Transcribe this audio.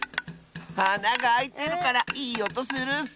あながあいてるからいいおとするッス！